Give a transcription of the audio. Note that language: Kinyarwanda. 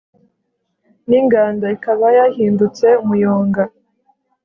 n'ingando ikaba yahindutse umuyonga